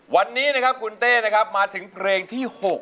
วันนี้นะครับคุณเต้นะครับมาถึงเพลงที่๖